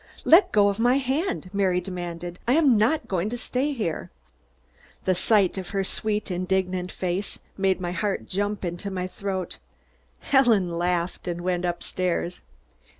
"Let go of my hand!" Mary demanded. "I am not going to stay here." The sight of her sweet indignant face made my heart jump to my throat. Helen laughed and went up stairs.